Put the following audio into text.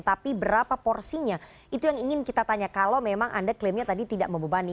tapi berapa porsinya itu yang ingin kita tanya kalau memang anda klaimnya tadi tidak membebani